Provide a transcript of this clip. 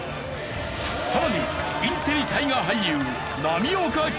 さらにインテリ大河俳優波岡一喜に。